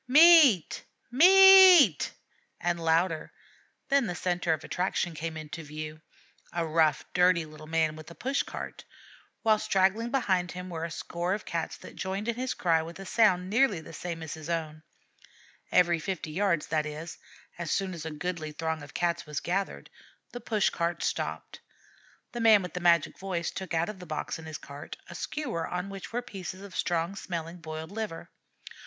"Meat! Meat!" and louder; then the centre of attraction came in view a rough, dirty little man with a push cart; while straggling behind him were a score of Cats that joined in his cry with a sound nearly the same as his own. Every fifty yards, that is, as soon as a goodly throng of Cats was gathered, the push cart stopped. The man with the magic voice took out of the box in his cart a skewer on which were pieces of strong smelling boiled liver.